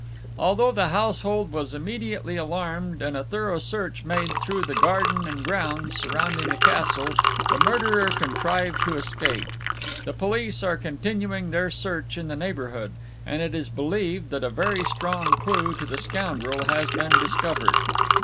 Although the household was immediately alarmed and a thorough search made through the garden and grounds surrounding the castle, the murderer contrived to escape. The police are continuing their search in the neighbourhood, and it is believed that a very strong clue to the scoundrel has been discovered.